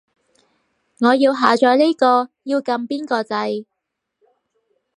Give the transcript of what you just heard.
我要下載呢個，要撳邊個掣